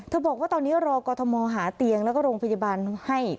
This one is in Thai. บอกว่าตอนนี้รอกรทมหาเตียงแล้วก็โรงพยาบาลให้